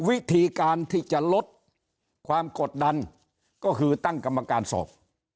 วิธีการที่จะลดความกดดันก็คือตั้งกรรมการสอบ